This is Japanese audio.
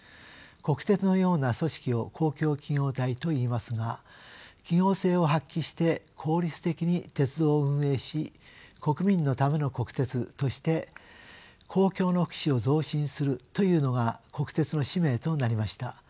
国鉄のような組織を公共企業体といいますが企業性を発揮して効率的に鉄道を運営し国民のための国鉄として公共の福祉を増進するというのが国鉄の使命となりました。